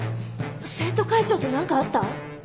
生徒会長と何かあった？